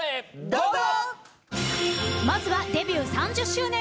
どうぞ！